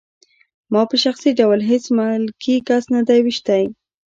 ما په شخصي ډول هېڅ ملکي کس نه دی ویشتی